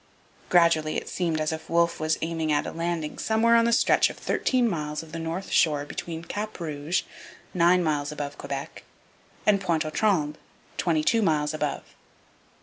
Gradually it seemed as if Wolfe was aiming at a landing somewhere on the stretch of thirteen miles of the north shore between Cap Rouge, nine miles above Quebec, and Pointe aux Trembles, twenty two miles above.